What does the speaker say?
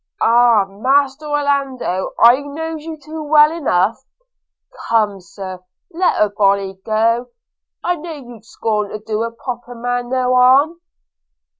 – Ah! Master Orlando, I knows you too now well enough – Come, Sir, let a body go: I know you'd scorn to do a poor man no harm.'